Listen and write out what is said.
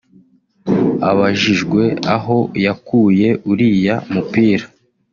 Abajijwe aho yakuye uriya mupira